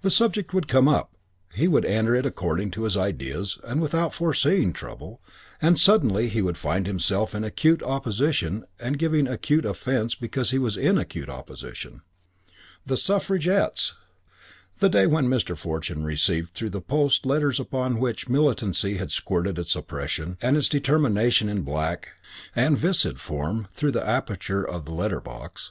The subject would come up, he would enter it according to his ideas and without foreseeing trouble, and suddenly he would find himself in acute opposition and giving acute offence because he was in acute opposition. The Suffragettes! The day when Mr. Fortune received through the post letters upon which militancy had squirted its oppression and its determination in black and viscid form through the aperture of the letter box.